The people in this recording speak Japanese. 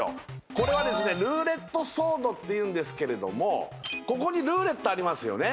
これはですねルーレットソードっていうんですけれどもここにルーレットありますよね